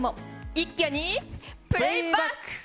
一挙に、プレイバック。